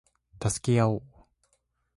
助け合おう